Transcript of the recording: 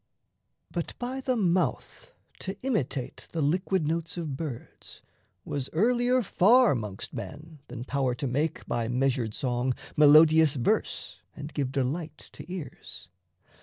But by the mouth To imitate the liquid notes of birds Was earlier far 'mongst men than power to make, By measured song, melodious verse and give Delight to ears.